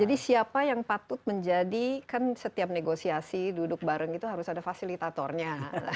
jadi siapa yang patut menjadi kan setiap negosiasi duduk bareng itu harus ada fasilitatornya